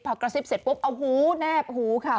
พอกระซิบเสร็จปุ๊บเอาหูแนบหูค่ะ